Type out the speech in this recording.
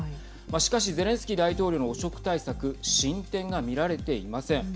しかしゼレンスキー大統領の汚職対策進展が見られていません。